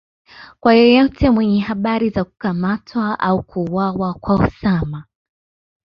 kwa yeyote mwenye habari za kukamatwa au kuuwawa kwa Osama